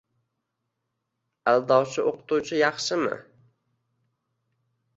Aldovchi o'qituvchi yaxshimi?..